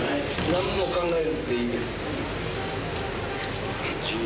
何も考えなくていいです。